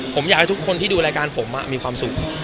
ผมอยากให้ทุกคนที่ดูรายการผมมีความสุข